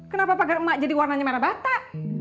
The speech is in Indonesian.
kenapa pagar emak jadi warnanya merah batak